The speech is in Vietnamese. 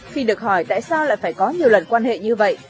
khi được hỏi tại sao lại phải có nhiều lần quan hệ như vậy